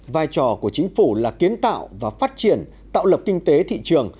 vai trò của chính phủ là kiến tạo và phát triển tạo lập kinh tế thị trường